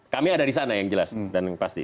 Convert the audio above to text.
kami ada di sana yang jelas dan pasti